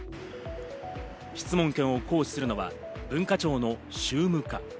質問権を行使するのは文化庁の宗務課。